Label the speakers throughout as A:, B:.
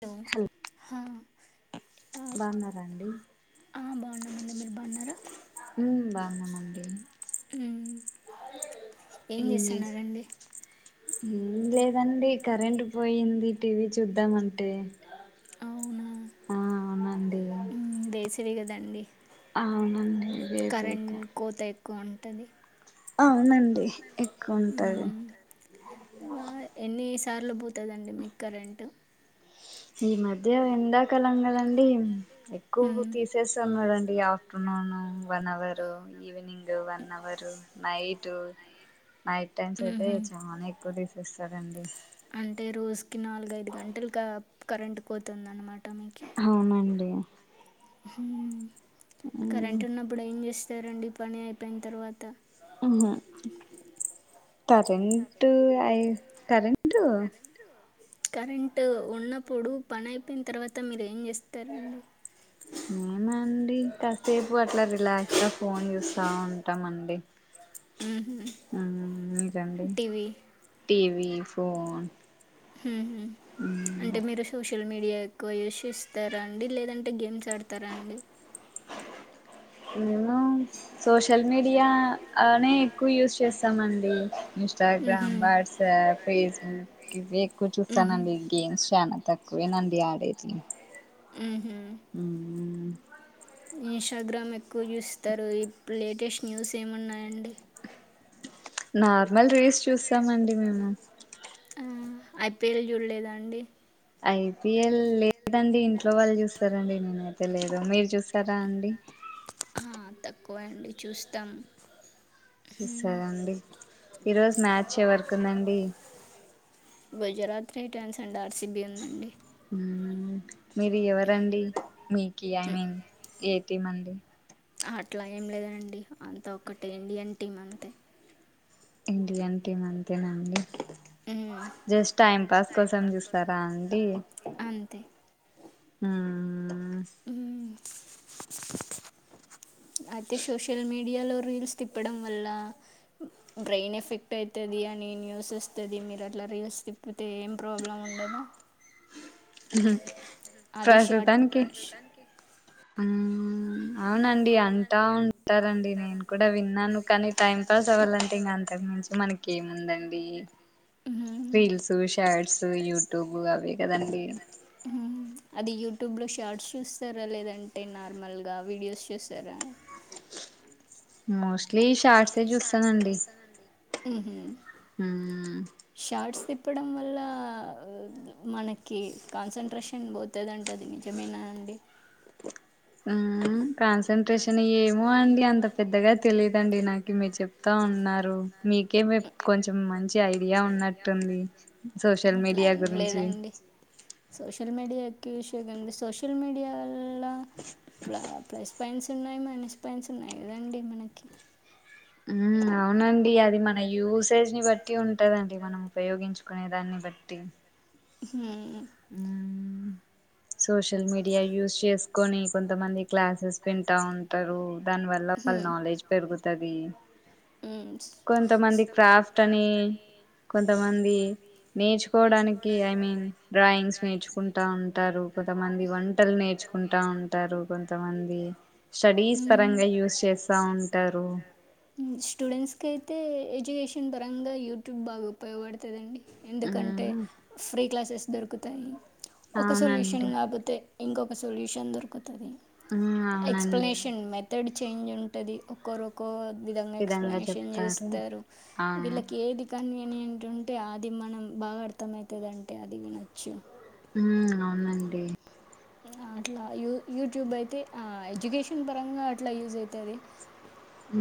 A: hello హా
B: బాగున్నారా అండి
A: ఆ బాగున్నామండి మీరు బాగున్నార ఏం చేస్తున్నరండి
B: ఏం లేదండి కరెంట్ పోయింది టీవీ చూద్దామంటే
A: వేసవి కదండి
B: అవునండి
A: కరెంట్ కోత ఎక్కువ ఉంటుంది
B: అవునండి ఎక్కువ ఉంటంది
A: ఎన్నిసార్లు పోతుందండి మీకు కరెంటు
B: ఈ మధ్య ఎండాకాలం కదండీ ఎక్కువ తీసేస్తున్నడి ఆ afternoon one hour evening one hour night night times అయితే చాలా ఎక్కువ తీసేస్తాడుండి
A: అంటే రోజుకి నాలుగ ఐదు గంటలు కరెంట్ పోతుంది అనమాట
B: అవునండి
A: కరెంట్ ఉన్నప్పుడు ఏం చేస్తారండి పని అయిపోయిన తర్వాత
B: ఆమ్ కరెంట్ అ కరెంటూ
A: కరెంటూ ఉన్నప్పుడు పని అయిపోయిన తర్వాత మీరు ఏం చేస్తారు త్తరండి
B: ఉండి కాసేపు అట్లా రిలాక్స్ గా ఫోన్ చూస్తా ఉంటాం అండి
A: ఉహు
B: రండి టీవి ఫోన్
A: ఉహు అంటే మీరు సోషల్ మీడియా మీడియా ఎక్కువ యూస్ ఇస్తారా అండి లేదంటే గేమ్స్ ఆడతారా అండి
B: మేము సోషల్ మీడియానే ఎక్కువ యూజ్ చేస్తామండి ఇన్స్టాగ్రామ్ వాట్సాప్ ఫేస్బుక్ ఇవి ఎక్కువ చూస్తానండి ఈ గేమ్స్ చాలా తక్కువ తక్కువేనండి ఆడేది ఉ
A: ఇంస్టాగ్రామ్ ఎక్కువ చూస్తారు ఇప్పు లేటెస్ట్ న్యూస్ ఏమి ఉన్నాయండి
B: నార్మల్ రేస్ చూస్తామండి మేము
A: ఐపీఎల్ చూడలేదా అండి
B: ఐపిఎల్ లే లేదండి ఇంట్లో వాళ్ళు చూస్తారండి నేనైతే లేదు మీరు చూసారా అండి
A: ఆ తక్కువ అండి చూస్తాం
B: చూసారండి ఈరోజు మ్యాచ్ ఎవరుకుందండి
A: రి టేర్న్స్ అండ్ రసీబీ ఉందండి
B: మీరు ఎవరండి మీకు ఐ మీన్ ఏ టీ మడి
A: అట్లా ఏం లేదండి అంతా ఒక్కటి ఇండియన్ టీమ్ అంతే
B: ఇండియన్ టీమ్ అంతేన
A: ఉమ్ అంతే
B: ఆ
A: అయితే సోషల్ మీడియాలో రీల్స్ తిప్పడం వల్ల బ్రెయిన్ ఎఫెక్ట్ అవుతుంది అని న్యూస్ వస్తుంది మీరు అట్లా రీల్స్ తిప్పితే ఏం ప్రాబ్లం ఉండ ఎలా
B: హ
A: అది షడ్ కాకుండా
B: ఆ అవునండి అంటా ఉంటారండి నేను కూడా విన్నాను కానీ టైం పాస్ అవ్వలంటే ఇంక మనకేంముందండి రీల్స్ షార్ట్స్ యూట్యూబ్ అవే కదండి
A: యు ట్యూబ్లో షార్ట్స్ చూస్తారా లేదంటే నార్మల్గా వీడియోస్ చూస్తారా
B: మోస్ట్లీ షార్ట్సే చూస్తానండి
A: ఉహు
B: ఊ
A: ప్పడం వల్ల మనకి కాన్సట్రేషన్ పోతదంట నిజమేన అండి
B: ఊ కాన్సన్ంట్రేషన్ ఏమో అండి అంత పెద్దగా తెలిదండి నాకు మీరు చెప్తా ఉన్నారు మీకే కొంచెం మంచి ఐడియా ఉన్నట్టుంది సోషల్ మీడియా గురించి
A: సోషల్ మీడియా ఎక్కవ యూస్ వేయకండి సోషల్ మీడియాల ప్ర న్స్ ఉన్నాయి మనిష పన్స్ ఉన్నాయి కదండి మనకి
B: ఉ అవునండి అది మన యూసేజ్ ని బట్టి ఉంటదండి మనం ఉపయోగించుకో అనే దాన్ని బట్టి
A: హు
B: సోషల్ మీడియా యూస్ చేసుకొని కొంతమంది క్లాసెస్ వింటా ఉంటారు దాని వల్ల వాళ్ళ నాలెడ్జ్ పెరుగుతది
A: ఇంతమంది క్రాఫ్ట్ అని
B: కొంతమంది నేర్చుకోవడానికి ఐ మీన్ డ్రాయింగ్స్ నేర్చుకుంటా ఉంటారు కొ కొంతమంది వంటలు నేర్చుకుంటా ఉంటారు కొంతమంది స్టడీస్ పరంగా యూస్ చేస్త
A: యూస్ చేస్తా ఉంటారు స్టూడెంట్స్కి అయితే ఎడ్యుకేషన్ పరంగా యూట్యూబ్ బాగా ఉపయోగపడుతదండి ఎందుకంటే ఫ్రీ క్లాసెస్ దొరుకుతాయి
B: అవునం
A: ఇంగ ఆగుతయ్ ఇంకొక సొల్యూషన్ దొరుకుతుంది ఎక్స్లెనేషన్ మెథడ్ చేంజ్ ఉంటది ఒకరొకో విధంగా ఎక్స్ప్లనేషన్ చేస్తారు వీళ్ళకి ఏది కానీ ని అంటుంటే అది మనం బాగా అర్థం అవుతదంటే అది వినొచ్చు
B: ఉ అవునండి
A: అట్లా యూ యూట్యూబ్ అయితే ఆ ఎడ్యుకేషన్ పరంగా అట్లా యూజ్ అయితది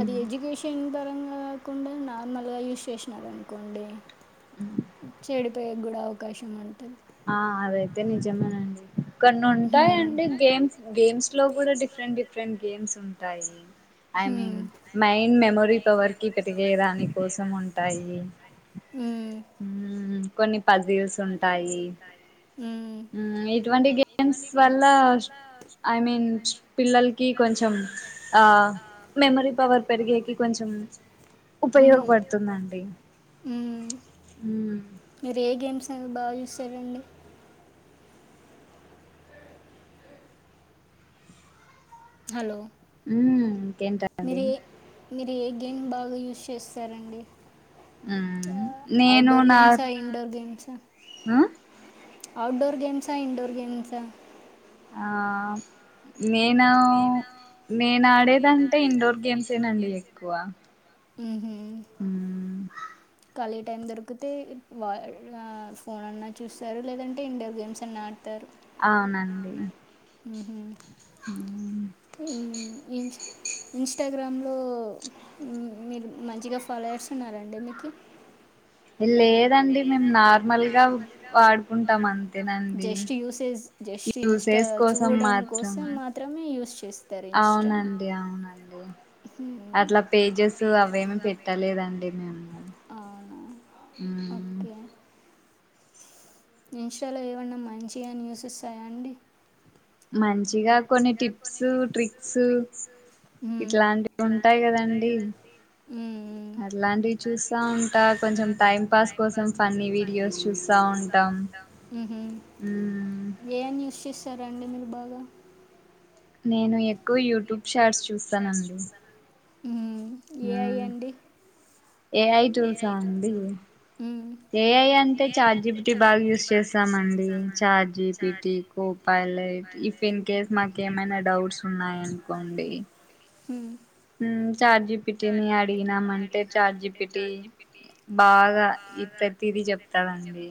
A: అది ఎడ్యుకేషన్ పరంగా కాకుండా నార్మల్గా యూస్ చేసినడు అనుకోండి చెడిపోయే కూడా అవకాశం ఉంటుంది
B: ఆ అదైతే నిజమేనండి క్కన్ని ఉంటాయిండి గేమ్స్ గేమ్స్ లో కూడా డిఫరెంట్ డిఫరెంట్ గేమ్స్ ఉంటాయి I mean mine mind memory power కి పెరిగే దాని కోసం ఉంటాయి
A: ఊ
B: కొన్ని పజిల్స్ ఉంటాయి
A: కాయి
B: ఉ ఇటువంటి గేమ్స్ వల్ల ఐ మీన్ పిల్లలకి కొంచం కొంచెం ఆ మెమరీ పవర్ పెరిగేకి కొంచెం ఉపయోగపడుతుందండి
A: ఏ గేమ్స్ అని బా చూస్తారండి హలో
B: ఊమ్
A: మీరు ఏ మీరు ఏ గేమ్ బాగా యూస్ చేస్తారండి outdoor games indoor games outdoor games indoor games
B: ఆ నేను నేను ఆడేదంటే ఇండోర్ గేమ్సేనండి ఎక్కువ
A: ఉహు ఖాళీ టైం దొరికితే వా ఫోన్ అన్నా చూస్తారు లేదంటే ఇండోర్ గేమ్స్ అన్నా ఆడతారు
B: అవునండి
A: ఏం చెయ్ ఇన్స్టాగ్రామ్లో మీరు మంచిగా ఫాలోయర్స్ ఉన్నారండి మీకి
B: లేదండి మేము నార్మల్గా వాడుకుంటాం అంతేనండి యూసేస్ కోసం మాత్రం అవునండి అవునండి
A: అట్లా పేజెస్ అప్డేట్ ఉందా లేదా అన్ని ఓకే ఇంస్టాలో ఏమన్నా మంచిగా న్యూస్ వస్తాయా అండి
B: మంచిగా కొన్ని టిప్స్ ట్రిక్స్ ఇట్లాంటివి ఉంటాయి కదండి అట్లాంటివి చూస్తా ఉంటా కొంచెం టైం పాస్ కోసం ఫన్నీ వీడియోస్ చ
A: ఏమన్ యూస్ చేస్తారా అండి మీరు బాగా
B: నేను ఎక్కువ యూట్యూబ్ షార్ట్స్ చూస్తానండి
A: ఉమ్ ఏఐ అండి
B: ఏఐ చూసా అండి ఏఐ అంటే చార్జిపిటీ బాగా యూస్ చేస్తామండి చార్జిపిటీ పలైట్ ఇఫ్ ఇన్ కేస్ మాకు ఏమైనా డౌట్స్ ఉన్నాయినుకోండి
A: హు
B: చార్జీ జీపీటీ అడిగినామంటే చాట్ జీపీటీ బాగా ఈ ప్రతిదీ చెప్తదండి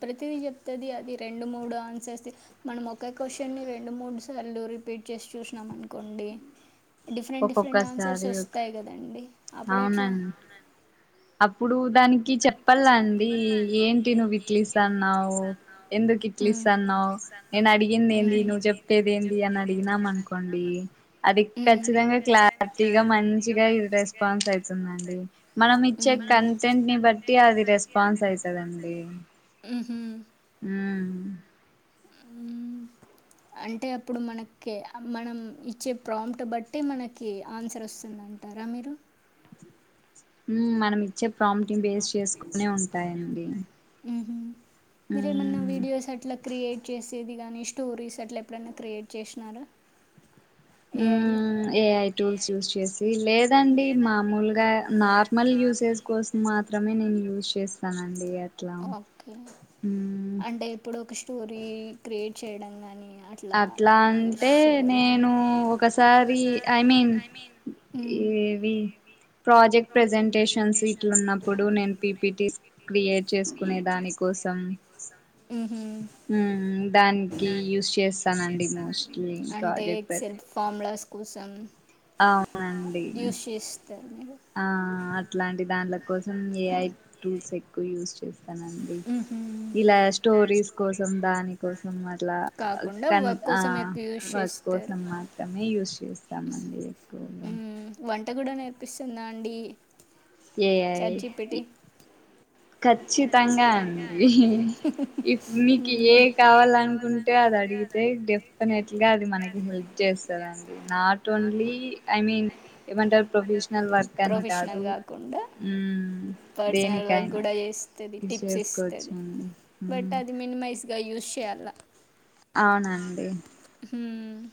A: ప్రతిదీ చెప్తుంది అది రెండు మూడు ఆన్సర్స్ మనం ఒక క్వశ్చన్ని రెండు మూడు సార్ రిపీట్ చేసి చూసినాం అనుకోండి డిఫరెంట్ డిఫరెంట్ ఆన్సర్స్ వస్తాయి కదండి అప్పుడు ఎట్లా
B: అప్పుడు దానికి చెప్పలా అండి ఏంటి నువ్వు విట్లిస్త అన్నావు ఎందుకు లిస్ అన్నావ్ నేను అడిగింది ఏంది నువ్వు చెప్పేది ఏంది అని అడిగినం అనుకోండి ది ఖచ్చితంగా క్లటీగా మంచిగా ఇ రెస్పాన్స్ అవుతుందండి మనం ఇచ్చే క అటెంట్ ని బట్టి అది రెస్పాన్స్ అయీతదండి
A: ఉహు
B: ఉ
A: ఆ అంటే అప్పుడు మనకి మనం ఇచ్చే ప్రాంట్ బట్టి మనకి ఆన్సర్ వస్తుంద అంటారు రా మీరు
B: మనం ఇచ్చే ప్రామిటీని బేస్ చేసుకునే ఉంటాయండి
A: మీరేమన్నా వీడియోస్ అట్లా క్రియేట్ చేసేది కాగాని స్టోరీస్ అట్లా ఎప్పుడైనా క్రియేట్ చేసినార ఏఐ లో
B: ఏఐ టూల్స్ యూజ్ చేసి లేదండి మామూలుగా నార్మల్ యూసేస్ కోసం మాత్రం మాత్రమే నేను యూజ్ చేస్తానండి అట్లా
A: అంటే ఇప్పుడు ఒక స్టోరీ క్రియేట్ చేయడం గాని
B: అట్లా అంటే నేను ఒకసారి ఐ మీన్ ఏవి ప్రాజెక్ట్ ప్రజెంటేషన్స్ ఇట్లు ఉన్నప్పుడు నేను పిపిటి క్రియేట్ చేసుకునేదాని కోసం దానికి యూస్ చేస్తానండి మోస్ట్లీ ప్రాజెక్ట్
A: సెల్ఫ్ ఫార్ములాస్ కోసం
B: అవునండి ఆ ఇట్లాంటి దాంట్ల కోసం ఏఐ టూల్స్ ఎక్కువ యూజ్ చేస్ నండి ఇలా స్టోరీస్ కోసం దాని కోసం అట్లా క ఆ వర్క్ కోసం మాత్రమే యూస్ చేస్తామండి ఎక్కువగా
A: వంట కూడా నేర్పిస్తుందా అండి
B: ఏఐ ఖచ్చితంగా అండి ఇప్పు నీకు ఏ కావాల అనుకుంటే అది అడిగి ఏ డెఫినెట్ గా అది మనకి హెల్ప్ చేస్తదండి నాట్ ఓన్లీ ఐ మీన్ ఏమంటారు ప్రొఫెషనల్ వర్క్ అని కాదు ఉమ్ దేనికైనా ఇది చేసుకోవచ్చండి ఉ
A: గా యూస్ చేయ్యల్ల
B: అవున అండి
A: హుమ్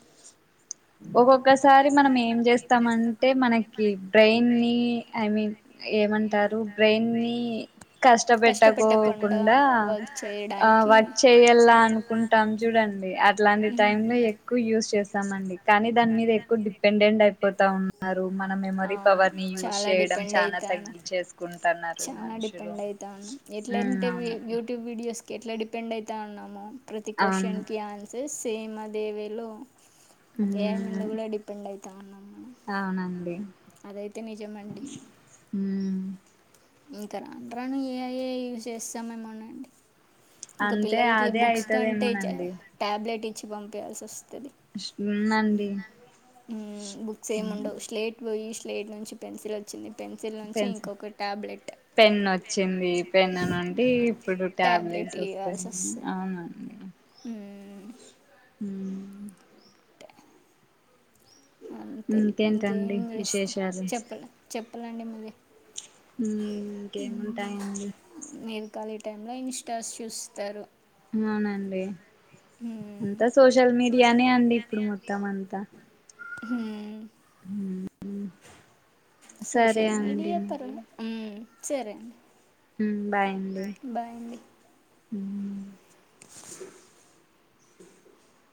B: ఒక్కొక్కసారి మనం ఏం చేస్తామంటే మనకి బ్రెయిన్ ని ఐ మీన్ ఏమంటారు బ్రెయిన్ ని కష్ట పెట్టకోకుండా ఆ వర్క్ చేయ్యాల అనుకుంటాం చూడండి అట్లాంటి టైం లో ఎక్కువ యూస్ చేస్తనండి కానీ దాని మీద ఎక్కువ డిపెండెంట్ అయిపోతా ఉన్నారు మన మెమరీ పవర్ ని యూజ్ చేయడం చానా తగ్గించేసుకుంటున్నారు మనుషులు ఉ అవునండి
A: ఎట్లా డిపెండ్ అయితా ఉన్నామో ప్రతి క్వశ్చన్ కి ఆన్సర్ సేమ్ అదేవేలో ఏ ముందు కూడా డిపెండ్ అయితాన్నం
B: అవునండి ఉ
A: ఇంకా రాను రాను ఏఐ యూజ్ చేస్తామో ఏమన్నాండి ఇంక పిల్లలకి బుక్స్ కంటే టాబ్లెట్ ఇచ్చి పంపియాల్సి వస్ బుక్స్ ఏం ఉండవ్ స్లెట్స్ ప్లేట్ నుంచి పెన్సిల్ వచ్చింది పెన్సిల్ నుంచి ఇంకొక టాబ్లెట్ పెన్ వచ్చియి టాబ్లెట్ ఇయ్యాల్సి వస్తుంది
B: ఉ
A: అంతే ఇంకేం చేస్త చెప్పలే చెప్పలేండి మరీ
B: ఇంకేముంటాయండి
A: ఖాళీ టైం లో ఇన్స్టాస్ చూస్తారు
B: అవునండి అంతా సోషల్ మీడియానే అండి ఇప్పుడు మొత్తం అంతా
A: హు సోషల్ మీడియాపర సరే
B: బాయ్
A: బాయ్ అండి [inaudible] [inaudible]